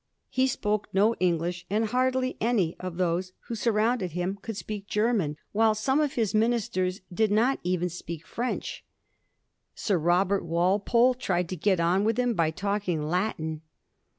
He spoke no English, and hardly any of those who surrounded him could speak Grerman, while some of his ministers did not even speak French. Sir Robert Walpole tried to get on with him by talking Latin.